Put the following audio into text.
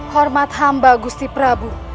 hormat hamba gusti prabu